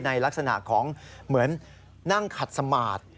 ในลักษณะของเหมือนนั่งขัดสมาธิ